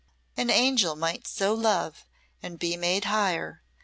An angel might so love and be made higher.